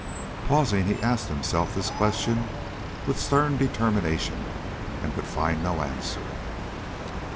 Pausing he asked himself this question with stern determination, and could find no answer.